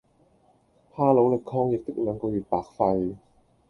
怕努力抗疫的兩個月白費